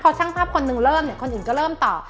พอช่างภาพคนหนึ่งเริ่มเนี่ยคนอื่นก็เริ่มต่อ